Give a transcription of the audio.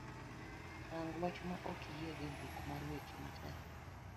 rang' wach ma ok iyiego e buk mar weche matek